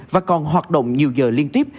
và còn hoạt động nhiều giờ liên tiếp